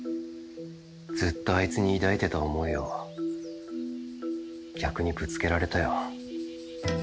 ずっとあいつに抱いてた想いを逆にぶつけられたよ。